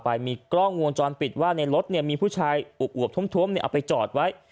ไปมีกล้องวงจรปิดว่าในรถเนี่ยมีผู้ชายอวบท้มเอาไปจอดไว้